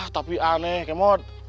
tapi aneh ke mod